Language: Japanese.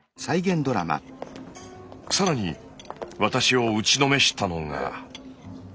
更に私を打ちのめしたのが。